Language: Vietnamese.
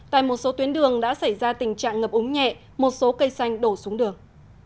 tại một số tuyến đường đã xảy ra tình trạng ngập úng nhẹ một số cây xanh đổ xuống đường